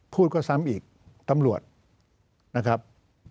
พูดก็ซ้ำอีกตำรวจนะครับ